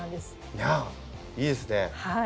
いやあいいですね。